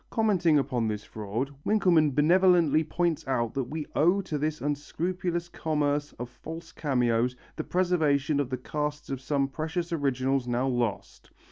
Commenting upon this fraud, Winkelmann benevolently points out that we owe to this unscrupulous commerce of false cameos the preservation of the casts of some precious originals now lost.